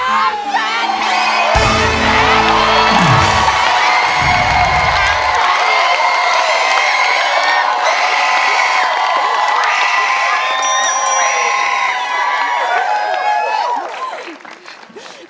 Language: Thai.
๓แสน